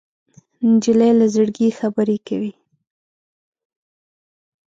نجلۍ له زړګي خبرې کوي.